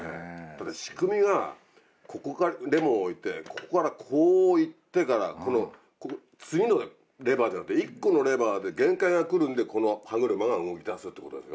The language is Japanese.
だって仕組みがレモン置いてここからこう行ってからここ次のレバーじゃなくて１個のレバーで限界が来るんでこの歯車が動きだすってことなんですよ。